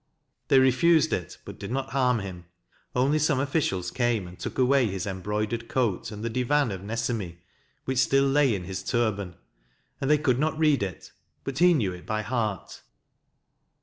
They refused it, but did not harm him ; only some officials came and took away his embroidered coat and the Divan of Nesemi, which still lay in his turban ; and they could not read it, but he knew it by heart.